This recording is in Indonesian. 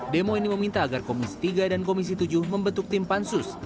demo ini meminta agar komisi tiga dan komisi tujuh membentuk tim pansus